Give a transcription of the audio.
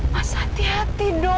mas hati hati dong